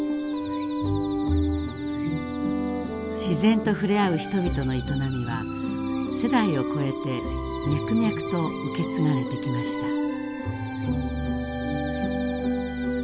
自然と触れ合う人々の営みは世代を超えて脈々と受け継がれてきました。